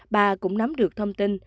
bà cũng nắm được thông tin